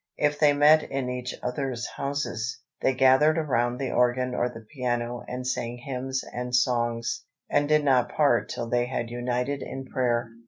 If they met in each other's houses, they gathered around the organ or the piano and sang hymns and songs, and did not part till they had united in prayer.